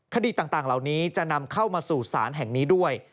คดีต่างเหล่านี้จะนำเข้ามาสู่ศาลแห่งนี้ด้วย